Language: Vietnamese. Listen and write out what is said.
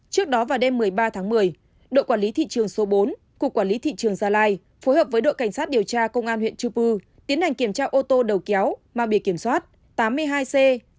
trước đó vào đêm một mươi ba tháng một mươi đội quản lý thị trường số bốn cục quản lý thị trường gia lai phối hợp với đội cảnh sát điều tra công an huyện chư pư tiến hành kiểm tra ô tô đầu kéo mang bìa kiểm soát tám mươi hai c